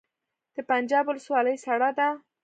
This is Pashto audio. د پنجاب ولسوالۍ سړه ده